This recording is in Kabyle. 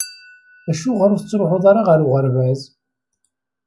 Acuɣer ur tettṛuḥuḍ ara ɣer uɣerbaz?